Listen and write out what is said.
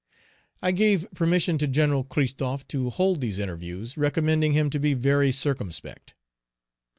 I gave permission to Gen. Christophe to hold these interviews, recommending him to be very circumspect.